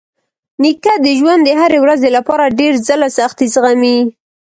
نیکه د ژوند د هرې ورځې لپاره ډېر ځله سختۍ زغمي.